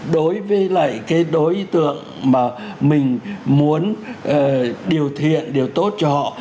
đối với lại cái đối tượng mà mình muốn điều thiện điều tốt cho họ